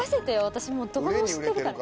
私どこでも知ってるから。